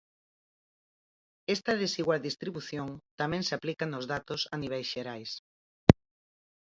Esta desigual distribución tamén se aplica nos datos a niveis xerais.